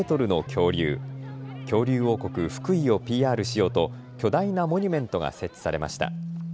恐竜王国・福井をＰＲしようと巨大なモニュメントが設置されました。